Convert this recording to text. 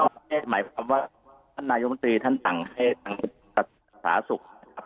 ครับหมายความว่าท่านนายกลุ่มตรีท่านสั่งให้ทางสาศุกร์นะครับ